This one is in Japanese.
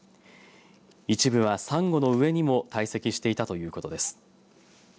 一部はさんごの上にも堆積していたということです。